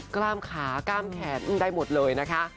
กล้ามขากล้ามแขนได้หมดเลยนะคะ